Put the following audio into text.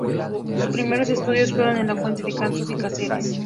Sus primeros estudios fueron en Fuente de Cantos y Cáceres.